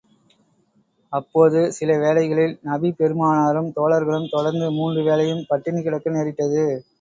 அப்போது சில வேளைகளில் நபி பெருமானாரும், தோழர்களும் தொடர்ந்து மூன்று வேளையும் பட்டினி கிடக்க நேரிட்டது.